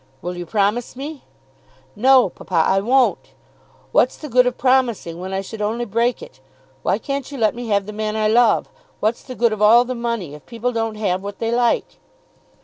"Will you promise me?" "No, papa, I won't. What's the good of promising when I should only break it. Why can't you let me have the man I love? What's the good of all the money if people don't have what they like?"